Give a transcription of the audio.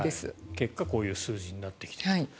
結果こういう数字になってきている。